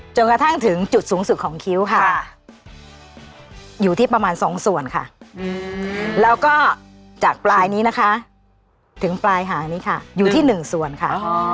จนกระทั่งถึงจุดสูงสุดของคิ้วค่ะอยู่ที่ประมาณ๒ส่วนค่ะแล้วก็จากปลายนี้นะคะถึงปลายหางนี้ค่ะอยู่ที่๑ส่วนค่ะ